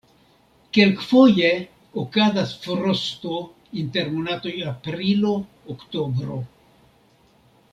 Kelkfoje okazas frosto inter monatoj aprilo-oktobro.